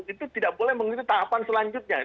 itu tidak boleh mengikuti tahapan selanjutnya